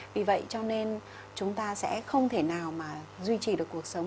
vì vậy cho nên chúng ta sẽ không thể nào mà duy trì được cuộc sống